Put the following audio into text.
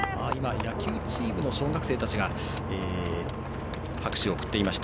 野球チームの小学生たちが拍手を送っていました。